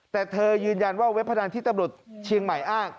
แต่เธอยืนยันว่าเว็บพนันที่ตำรวจเชียงใหม่อ้าง